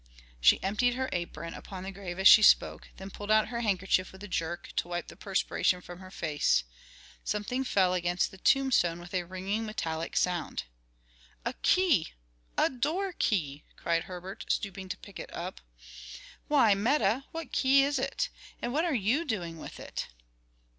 She emptied her apron upon the grave as she spoke, then pulled out her handkerchief with a jerk, to wipe the perspiration from her face Something fell against the tombstone with a ringing, metallic sound. "A key! a door key!" cried Herbert, stooping to pick it up. "Why, Meta, what key is it? and what are you doing with it?"